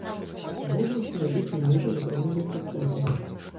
Вобласць ляжыць у межах зоны лесастэпу.